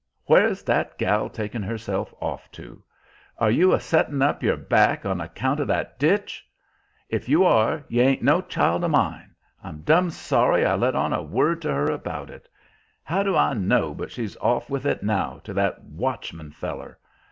Where's that gal taken herself off to?... Are you a settin' up your back on account of that ditch? If you are, you ain't no child of mine.... I'm dum sorry I let on a word to her about it. How do I know but she's off with it now, to that watchman feller.